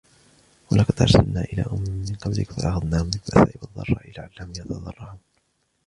وَلَقَدْ أَرْسَلْنَا إِلَى أُمَمٍ مِنْ قَبْلِكَ فَأَخَذْنَاهُمْ بِالْبَأْسَاءِ وَالضَّرَّاءِ لَعَلَّهُمْ يَتَضَرَّعُونَ